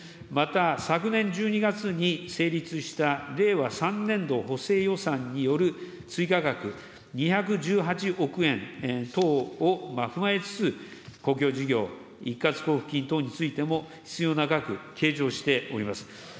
また、昨年１２月に成立した令和３年度補正予算による追加額２１８億円等を踏まえつつ、公共事業、一括交付金等についても必要な額、計上しております。